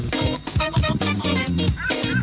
สวัสดีครับ